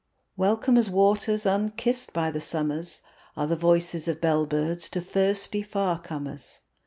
Welcome as waters unkissed by the summers Are the voices of bell birds to thirsty far comers.